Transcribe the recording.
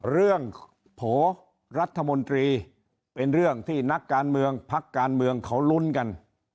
โผล่รัฐมนตรีเป็นเรื่องที่นักการเมืองพักการเมืองเขาลุ้นกัน